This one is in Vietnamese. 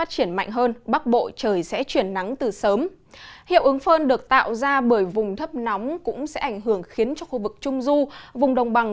xin chào các bạn